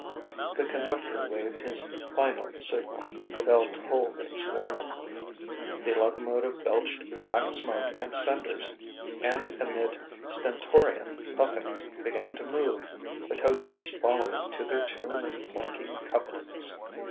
The conductor waved his final signal. The bell tolled its warning. The locomotive belched black smoke and cinders and amid stentorian puffings began to move, the coaches following to their tune of clanking couplings.